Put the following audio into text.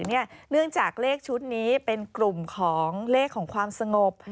เนื่องจากเลขชุดนี้เป็นกลุ่มของเลขของความสงบ